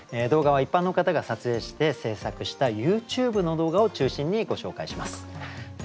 動画は一般の方が撮影して制作したＹｏｕＴｕｂｅの動画を中心にご紹介します。